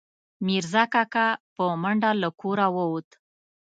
میرزا کاکا، په منډه له کوره ووت